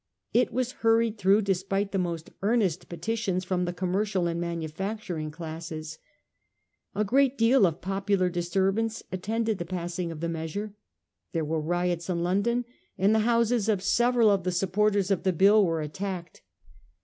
It was hurried through, despite the most earnest petitions from the commercial and manufacturing classes. A great deal of popular disturbance attended the passing of the measure. There were riots in London, and the houses of several of the supporters of the hill were attacked.